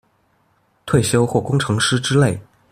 退休或工程師之類